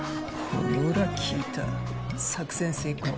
ほら効いた作戦成功。